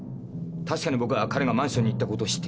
確かに僕は彼がマンションに行ったことを知っていた。